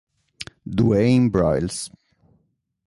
Dwayne Broyles